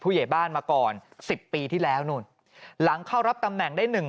ปี๖๕วันเกิดปี๖๔ไปร่วมงานเช่นเดียวกัน